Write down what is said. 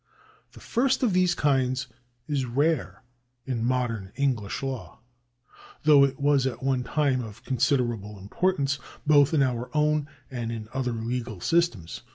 The first of these kinds is rare in modern English law, though it was at one time of considerable importance both in our own and in other legal systems.